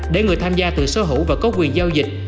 để người tham gia tự sở hữu và có quyền giao dịch